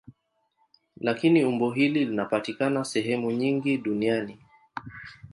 Lakini umbo hili linapatikana sehemu nyingi duniani.